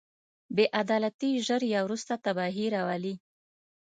بې عدالتي ژر یا وروسته تباهي راولي.